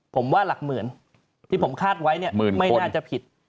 ผมว่าหลักหมื่นที่ผมคาดไว้เนี่ยไม่น่าจะผิด